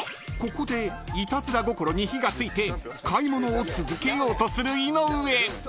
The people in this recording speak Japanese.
ここでイタズラ心に火が付いて買い物を続けようとする井上］